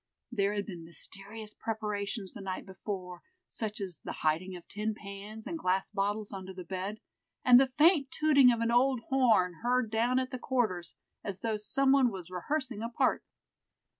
There had been mysterious preparations the night before, such as the hiding of tin pans and glass bottles under the bed, and the faint tooting of an old horn, heard down at the quarters, as though some one was rehearsing a part.